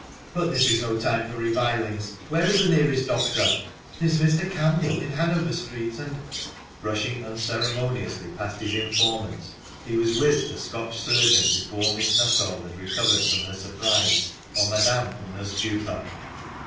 "But this is no time for revilings. Where is the nearest doctor?" " There is Mr. Campbell in Hanover Street — and " Brushing unceremoniously past his informant, he was with the Scotch surgeon before Miss Nuttall had recovered from her surprise, or Madame from her stupor.